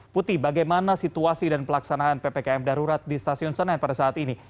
putih bagaimana situasi dan pelaksanaan ppkm darurat di stasiun senen pada saat ini